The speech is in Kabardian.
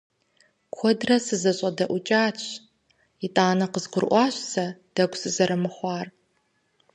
Куэдрэ сызэщӀэдэӀукӀащ, итӀанэ къызгурыӀуащ сэ дэгу сызэрымыхъуар.